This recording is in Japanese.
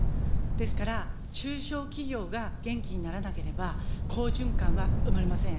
ですから、中小企業が元気にならなければ、好循環は生まれません。